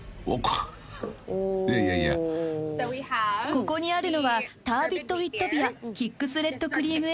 ここにあるのはタービットウィットビアキックスレッドクリームエール。